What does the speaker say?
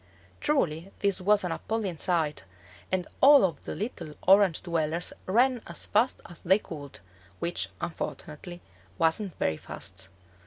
Truly this was an appalling sight, and all of the little Orange dwellers ran as fast as they could, which, unfortunately, wasn't very fast.